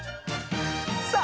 さあ